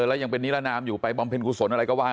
แล้วยังเป็นนิรนามอยู่ไปบำเพ็ญกุศลอะไรก็ว่า